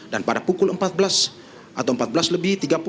dan pada pukul empat belas atau empat belas lebih tiga puluh